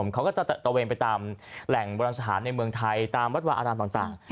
เขาก็จะตะเวนไปตามแหล่งบรรณสถานในเมืองไทยตามวัดวาอารามต่าง